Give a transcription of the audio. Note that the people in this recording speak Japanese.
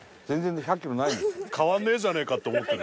変わんねえじゃねえかって思ってる。